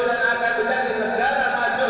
dan akan menjadi negara maju